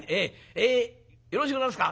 ええよろしゅうございますか？